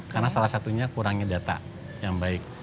karena salah satunya kurangnya data yang baik